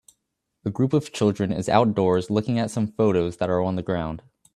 A group of children is outdoors looking at some photos that are on the ground